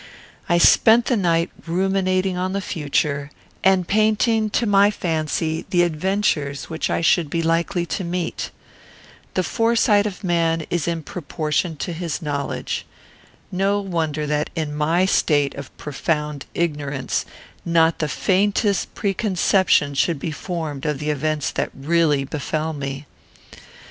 I spent the night ruminating on the future, and in painting to my fancy the adventures which I should be likely to meet. The foresight of man is in proportion to his knowledge. No wonder that, in my state of profound ignorance, not the faintest preconception should be formed of the events that really befell me.